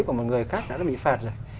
của một người khác đã bị phạt rồi